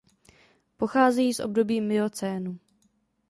Pocházejí z období miocénu.